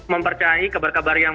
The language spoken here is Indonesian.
mempercayai kabar kabar yang